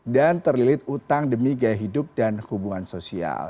dan terlilit utang demi gaya hidup dan hubungan sosial